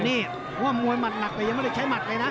นี่ว่ามวยหมัดหนักแต่ยังไม่ได้ใช้หมัดเลยนะ